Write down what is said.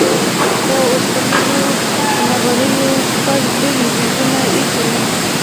په اوسپنيزو نغريو شپږ لوی ديګونه اېښي وو.